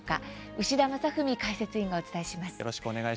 牛田正史解説委員がお伝えします。